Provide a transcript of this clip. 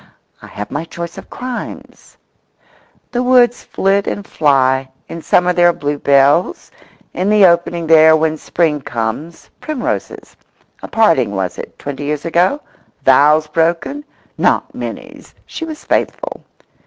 I have my choice of crimes. The woods flit and fly—in summer there are bluebells; in the opening there, when Spring comes, primroses. A parting, was it, twenty years ago? Vows broken? Not Minnie's!… She was faithful.